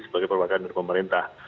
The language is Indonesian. dari perwakilan pemerintah